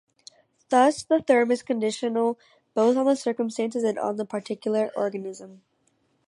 Thus, the term is conditional both on the circumstances and on the particular organism.